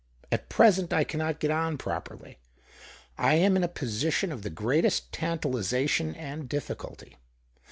At present I cannot get on properly. I am in a position of the greatest tantalization and difficulty.